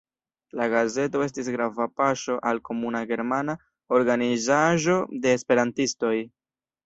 La gazeto estis grava paŝo al komuna germana organizaĵo de esperantistoj.